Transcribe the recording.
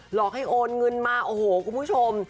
หลอกให้โอนเงินมาโอ้โหคุณผู้ชม